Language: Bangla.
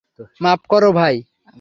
মাফ করো ভাই।